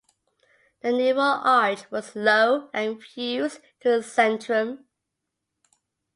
The neural arch was low and fused to the centrum.